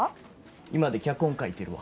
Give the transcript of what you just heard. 居間で脚本書いてるわ。